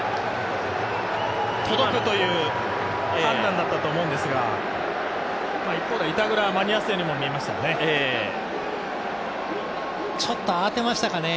届くという判断だったと思うんですが、一方で板倉が間に合わせたようにも見えましたね。